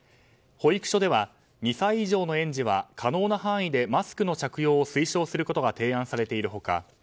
保育所では２歳以上の園児は可能な範囲でマスクの着用を推奨することが提案されている他